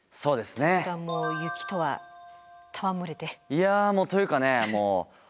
いやもうというかね